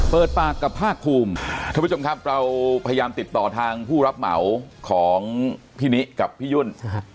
เปิดปากกับภาคภูมิท่านผู้ชมครับเราพยายามติดต่อทางผู้รับเหมาของพี่นิกับพี่ยุ่น